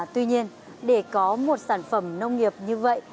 tuy nhiên để có một sản phẩm nông nghiệp như vậy